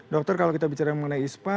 dokter kalau kita bicara mengenai ispa